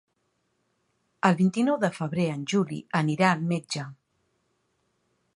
El vint-i-nou de febrer en Juli anirà al metge.